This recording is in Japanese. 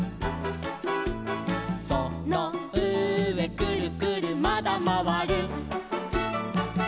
「そのうえくるくるまだまわる」